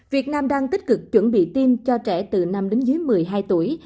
việt nam đang tích cực chuẩn bị tiêm cho trẻ từ năm đến dưới một mươi hai tuổi